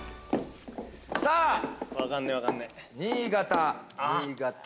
分かんねえ分かんねえ。